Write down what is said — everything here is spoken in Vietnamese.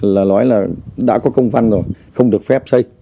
là nói là đã có công văn rồi không được phép xây